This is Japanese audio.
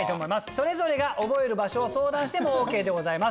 それぞれが覚える場所を相談してもＯＫでございます。